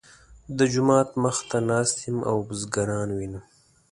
د جومات مخ ته ناست یم او بزګران وینم.